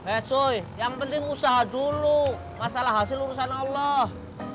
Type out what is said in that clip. eh cuy yang penting usaha dulu masalah hasil urusan allah